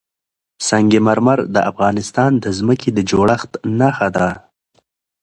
سنگ مرمر د افغانستان د ځمکې د جوړښت نښه ده.